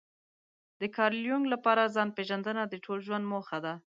د کارل يونګ لپاره ځان پېژندنه د ټول ژوند موخه ده.